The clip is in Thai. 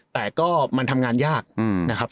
แต่ก็มันทำงานยากนะครับ